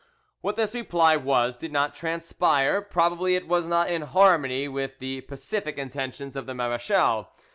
What this reply was did not transpire; probably it was not in harmony with the pacific intentions of the marechal.